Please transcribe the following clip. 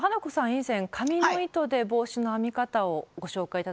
以前紙の糸で帽子の編み方をご紹介頂きましたよね。